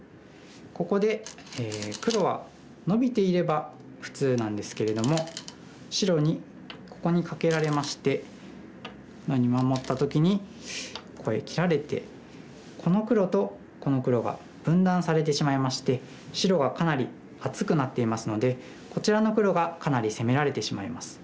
ここで黒はノビていれば普通なんですけれども白にここにカケられましてこのように守った時にここへ切られてこの黒とこの黒が分断されてしまいまして白がかなり厚くなっていますのでこちらの黒がかなり攻められてしまいます。